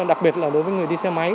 đặc biệt là đối với người đi xe máy